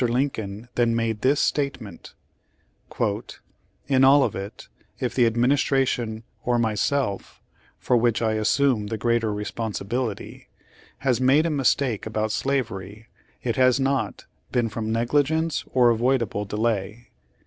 Lincoln then made this statement : "In all of it, if the Administration or myself — for which I assume the greater responsibility — has made a mistake about slavery, it has not been from negligence or avoid able delay.